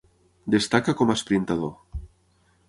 Destacà com a esprintador.